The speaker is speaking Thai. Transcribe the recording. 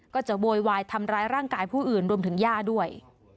ก็จะโบรยาทร์ทำร้ายร่างกายผู้อื่นรวมถึงย่าด้วย